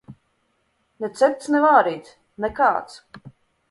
Ne cepts, ne vārīts. Nekāds.